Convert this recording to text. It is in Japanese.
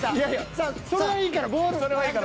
それはいいからボールやろ。